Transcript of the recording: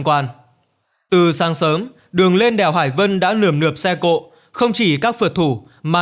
quan từ sáng sớm đường lên đèo hải vân đã lườm nượp xe cộ không chỉ các phượt thủ mà